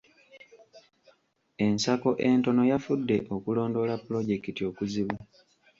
Ensako entono yafudde okulondoola pulojekiti okuzibu.